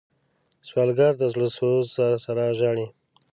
سوالګر د زړه سوز سره ژاړي